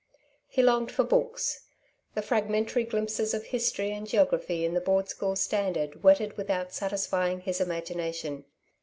He longed for books. The fragmentary glimpses of history and geography in the Board school standard whetted without satisfying his imagination.